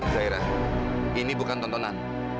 zairah ini bukan tontonan